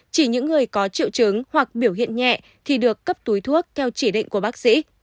chỉ những người có triệu chứng hoặc biểu hiện nhẹ thì được cấp túi thuốc theo chỉ định của bác sĩ